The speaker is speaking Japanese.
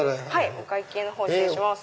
お会計のほう失礼します。